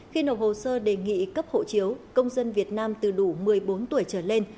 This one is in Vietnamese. khi nộp hồ sơ đề nghị cấp hộ chiếu công dân việt nam từ đủ một mươi bốn tuổi trở lên